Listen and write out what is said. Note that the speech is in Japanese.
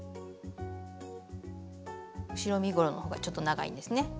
後ろ身ごろのほうがちょっと長いんですね。